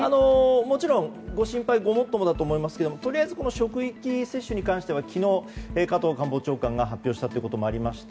もちろん、ご心配はごもっともだと思いますがこの職域接種に関しては昨日、加藤官房長官が発表したということもありまして